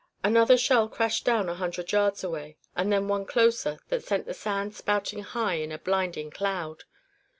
Another shell crashed down a hundred yards away, and then one closer that sent the sand spouting high in a blinding cloud.